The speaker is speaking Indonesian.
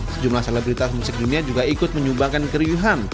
sejumlah selebritas musik dunia juga ikut menyumbangkan keriuhan